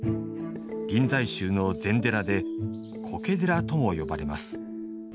臨済宗の禅寺で「苔寺」とも呼ばれます。